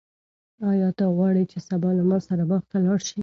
آیا ته غواړې چې سبا له ما سره باغ ته لاړ شې؟